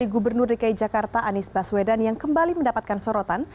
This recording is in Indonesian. gubernur dki jakarta anies baswedan yang kembali mendapatkan sorotan